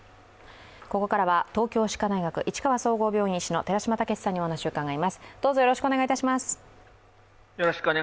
ここからは東京歯科大学市川総合病院医師の寺嶋毅さんにお話を伺います。